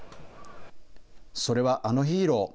それはあのヒーロー。